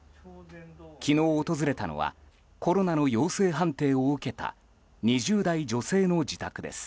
昨日訪れたのはコロナの陽性判定を受けた２０代女性の自宅です。